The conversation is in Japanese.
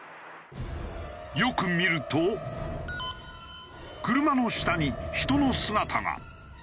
よく見ると車の下に人の姿が。